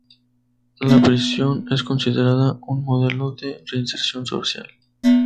La prisión es considerada un modelo de reinserción social.